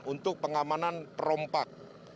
untuk pengamanan rompak